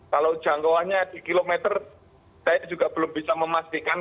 kalau jangkauannya di kilometer saya juga belum bisa memastikan